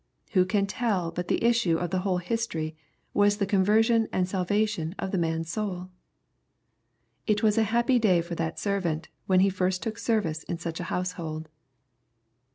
Who can tell but the issue of the whole history, was the conversion and salvation of the man's soul ? It was a happy day for that servant, when he first took service in such a household